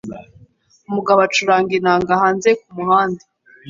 Umugabo acuranga inanga hanze kumuhanda